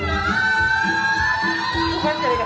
นี่ฉันต้องใจเพื่อได้รักใคร